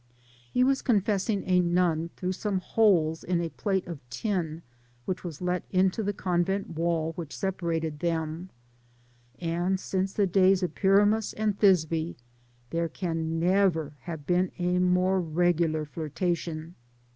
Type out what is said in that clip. He was confessing a nun through some holes in a plate of tin, which was let into the convent wall which separated them ; and since the days of Pyramus and Thisbe, there can never have been a more regular flirtation.